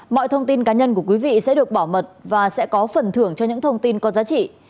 mọi thông tin cá nhân của quý vị sẽ được bảo mật và sẽ có phần thưởng cho những thông tin có giá trị